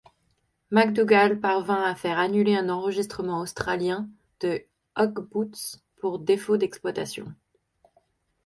McDougall parvint à faire annuler un enregistrement australien de Ugh-Boots pour défaut d’exploitation.